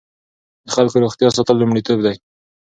د خلکو روغتیا ساتل لومړیتوب دی.